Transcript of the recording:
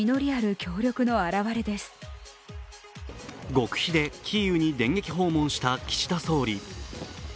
極秘でキーウに電撃訪問した岸田総理。